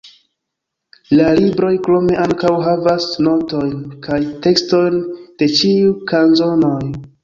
La libroj krome ankaŭ havas notojn kaj tekstojn de ĉiuj kanzonoj.